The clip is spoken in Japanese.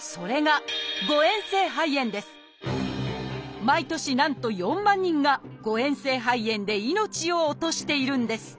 それが毎年なんと４万人が誤えん性肺炎で命を落としているんです。